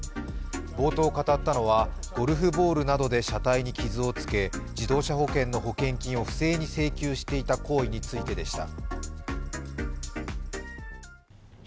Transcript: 冒頭、語ったのはゴルフボールなどで車体に傷をつけ自動車保険の保険金を不正に請求していた行為についてでした。